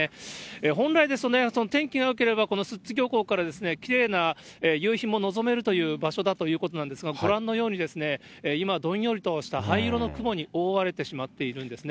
本来ですと、天気がよければこの寿都漁港からきれいな夕日も望めるという場所だということなんですが、ご覧のように今、どんよりとした灰色の雲に覆われてしまっているんですね。